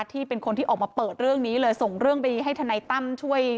ที่เป็นคนที่ออกมาเปิดเรื่องนี้เลยส่งเรื่องไปให้ทนายตั้มช่วย